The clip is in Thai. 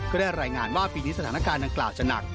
ก็ได้รายงานว่าปีนี้สถานการณ์ดังกล่าวจะหนัก